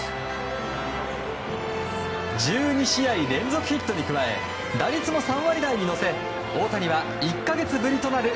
１２試合連続ヒットに加え打率も３割台に乗せ大谷は１か月ぶりとなる